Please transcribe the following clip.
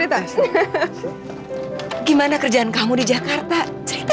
ya udah duduk dulu cerita cerita gimana kerjaan kamu di jakarta cerita